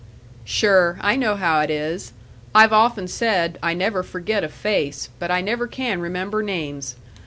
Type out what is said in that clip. "Sure, I know how it is. I've often said, I never forget a face, but I never can remember names.